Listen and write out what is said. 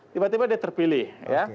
tiba tiba dia terpilih ya